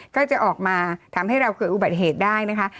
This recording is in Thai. ก็จะออกมาทำให้เราเกิดอุบัติเหตุได้นะคะ